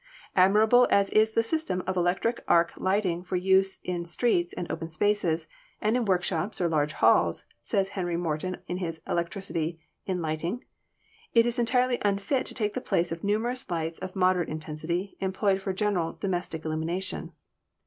"Admirable as is the system of electric arc lighting for use in streets and open spaces, and in workshops or large halls," says Henry Morton in his 'Electricity in Light ing/ "it is entirely unfit to take the place of the numerous lights of moderate intensity employed for general domes tic illumination.